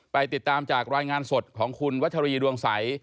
ไปติดตามจากรายงานสดของคุณวัชรีดวงใส